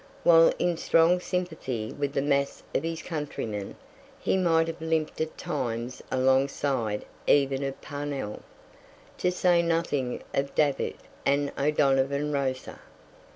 While in strong sympathy with the mass of his countrymen, he might have limped at times alongside even of Parnell, to say nothing of Davitt and O'Donovan Rossa.